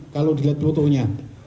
kalau dilihat fotonya